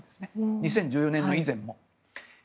２０１４年以前も。